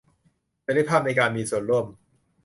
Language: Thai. เสรีภาพในการมีส่วนร่วม